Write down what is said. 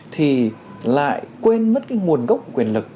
thì lại quên mất cái nguồn gốc quyền lực